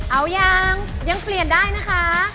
เอายังยังเปลี่ยนได้นะคะ